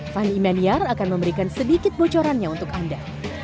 fandi imanyar akan memberikan sedikit bocorannya untuk anda